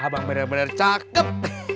abang bener bener cakep